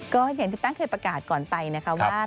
ก็อย่างที่แป้งเคยประกาศก่อนไปนะคะว่า